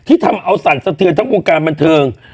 ทำเอาสั่นสะเทือนทั้งวงการบันเทิง